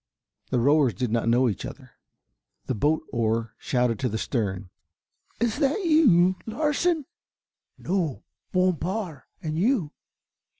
The rowers did not know each other. The bow oar shouted to the stern. "Is that you Larsen?" "No, Bompard, and you?"